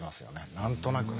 何となくね。